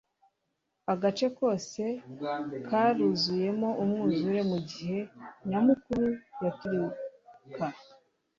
Agace kose karuzuyemo umwuzure mugihe nyamukuru yaturika